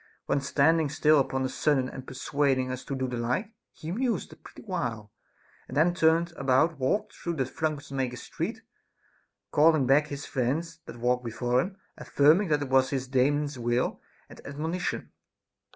When standing still upon a sudden and persuading us to do the like, he mused a pretty while, and then turning about walked through Trunk makers' Street, calling back his friends that walked before him, affirming that it was his Daemon's will and admonition.